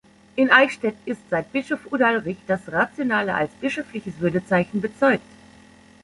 In Eichstätt ist seit Bischof Udalrich das Rationale als bischöfliches Würdezeichen bezeugt.